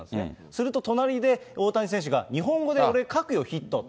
すると隣で、大谷選手が日本語で書くよ、俺、ヒットって。